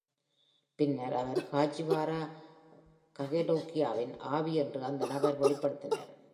பின்னர், அவர் காஜிவாரா காகெடோகியின் ஆவி என்று அந்த நபர் வெளிப்படுத்தினார்.